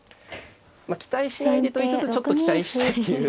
まあ期待しないでと言いつつちょっと期待したいっていう。